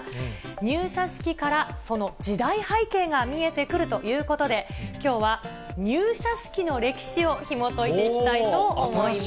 入社式から、その時代背景が見えてくるということで、きょうは、入社式の歴史をひもといていきたいと思います。